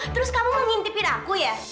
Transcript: terus kamu ngintipin aku ya